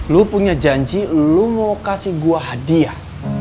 lu punya janji lo mau kasih gue hadiah